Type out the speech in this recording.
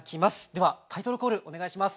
ではタイトルコールお願いします。